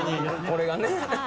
これがね。